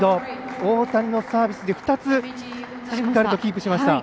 大谷のサーブで２つしっかりとキープしました。